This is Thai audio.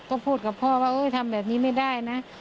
ก็พูดกับพ่อว่าทำแบบนี้ไม่ได้นะ